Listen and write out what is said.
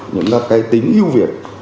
những cái tính ưu việt